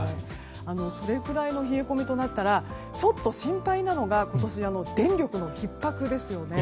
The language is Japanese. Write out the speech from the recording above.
それくらいの冷え込みとなったらちょっと心配なのが今年、電力のひっ迫ですよね。